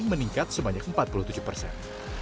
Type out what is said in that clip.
meningkat sebanyak empat puluh tujuh persen